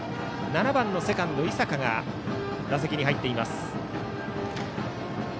７番のセカンド、井坂が打席に入っています。